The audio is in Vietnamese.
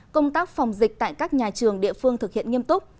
công tác phòng dịch tại các nhà trường địa phương thực hiện nghiêm túc